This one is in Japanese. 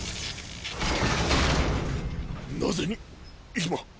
なぜに今？